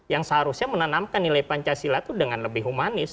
yang seharusnya menanamkan nilai pancasila itu dengan lebih humanis